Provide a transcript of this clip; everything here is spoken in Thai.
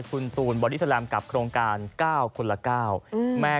คุณตูนบอดี้สแลมกับโครงการเก้าคนละเก้าอืมแม่